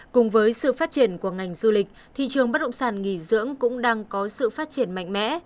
cùng với sự phát triển của ngành du lịch thị trường bất động sản nghỉ dưỡng cũng đang có sự phát triển mạnh mẽ